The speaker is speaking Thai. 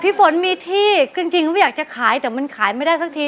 ฝนมีที่จริงเขาอยากจะขายแต่มันขายไม่ได้สักที